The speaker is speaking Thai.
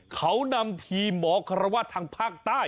เขานำทีหมอฮารวัฒน์ทังพรรค